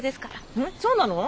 えっそうなの？